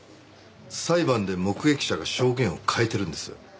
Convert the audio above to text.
裁判で目撃者が証言を変えてるんです。